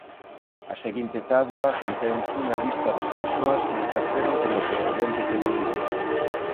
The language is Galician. A seguinte táboa contén unha lista das persoas que exerceron como Presidentes de Bolivia.